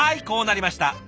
こうなりました。